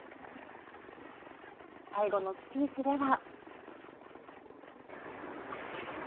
最後のスピーチでは。